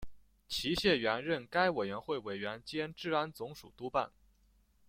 齐燮元任该委员会委员兼治安总署督办。